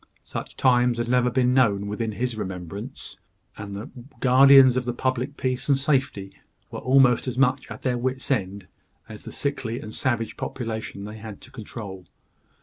Such times had never been known within his remembrance; and the guardians of the public peace and safety were almost as much at their wits' end as the sickly and savage population they had to control.